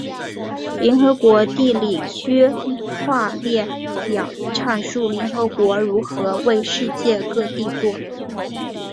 联合国地理区划列表阐述联合国如何为世界各地作。